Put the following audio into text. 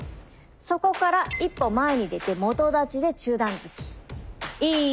そこから一歩前に出て基立ちで中段突き。